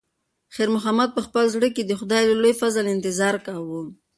خیر محمد په خپل زړه کې د خدای د لوی فضل انتظار کاوه.